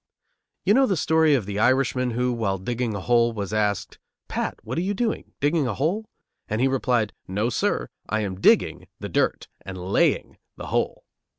You know the story of the Irishman who, while digging a hole, was asked, "Pat, what are you doing, digging a hole?" And he replied, "No, sir; I am digging the dirt, and laying the hole."